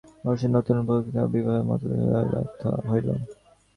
বর্ষে বর্ষে নূতন পঞ্জিকার মতে বিবাহের কত শুভলগ্নই ব্যর্থ হইল।